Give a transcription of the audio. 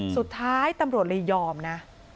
สุดท้ายตำรวจเลยยอมนะ